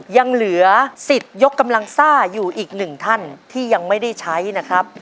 ยังเหลือสิทธิ์ยกกำลังซ่าอยู่อีกหนึ่งท่านที่ยังไม่ได้ใช้นะครับ